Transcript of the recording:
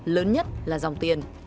lớn nhất là dòng tiền